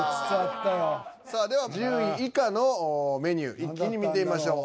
さあでは１０位以下のメニュー一気に見てみましょう。